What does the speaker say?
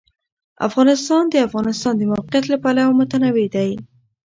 افغانستان د د افغانستان د موقعیت له پلوه متنوع دی.